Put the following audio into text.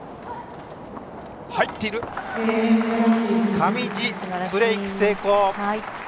上地、ブレーク成功！